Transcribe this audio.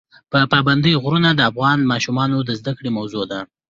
پابندی غرونه د افغان ماشومانو د زده کړې موضوع ده.